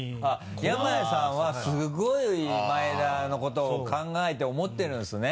山谷さんはすごい前田のことを考えて思ってるんですね？